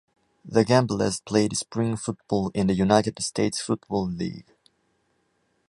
The Gamblers played spring football in the United States Football League.